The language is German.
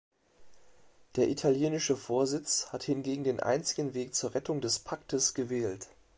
Der italienische Vorsitz hat hingegen den einzigen Weg zur Rettung des Paktes gewählt.